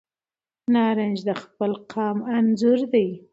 تاریخ د خپل قام انځور دی.